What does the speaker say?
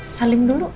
eh salim dulu